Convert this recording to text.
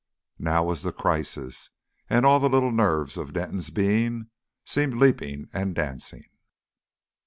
Now was the crisis, and all the little nerves of Denton's being seemed leaping and dancing.